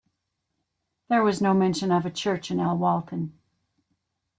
There was no mention of a church at Alwalton.